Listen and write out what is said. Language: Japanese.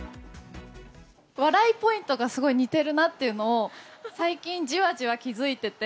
笑いポイントがすごい似てるなっていうのを、最近じわじわ気付いてて。